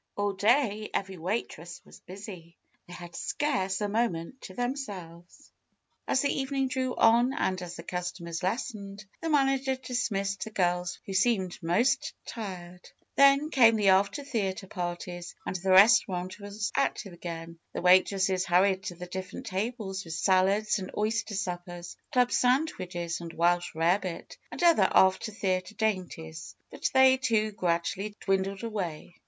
All day every waitress was busy. They had scarce a moment to themselves. As the evening drew on, and as the customers lessened, the manager dismissed the girls who seemed most tired. Then came the after theater parties, and the res taurant was active again. The waitresses hurried to the different tables with salads and oyster suppers, club sandwiches and welsh rarebit, and other after theater dainties. But they, too, gradually dwindled away.